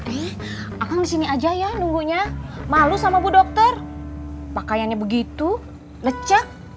eh aku disini aja ya nunggunya malu sama bu dokter pakaiannya begitu lecak